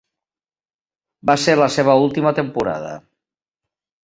Va ser la seva última temporada.